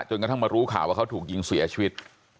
กระทั่งมารู้ข่าวว่าเขาถูกยิงเสียชีวิต